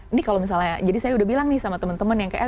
ini kalau misalnya jadi saya udah bilang nih sama temen temen yang kayak